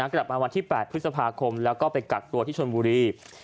กลับมาวันที่๘พฤษภาคมแล้วก็ไปกักตัวที่ชนบุรี